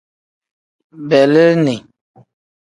Beleeni.